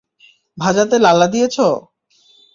ভাজাতে লালা দিয়েছো?